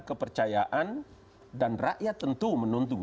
kepercayaan dan rakyat tentu menurut saya